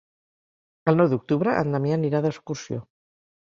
El nou d'octubre en Damià anirà d'excursió.